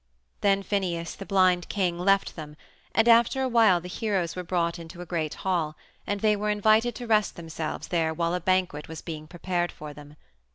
Then Phineus, the blind king, left them, and after a while the heroes were brought into a great hall, and they were invited to rest themselves there while a banquet was being prepared for them.